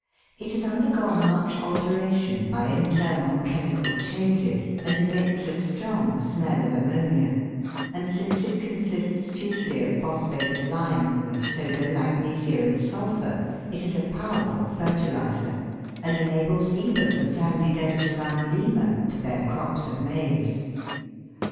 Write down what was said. It has undergone much alteration by internal chemical changes, and emits a strong smell of ammonia ; and since it consists chiefly of phosphate of lime with soda, magnesia, and sulphur, it is a powerful fertiliser, and enables even the sandy desert around Lima to bear crops of maize.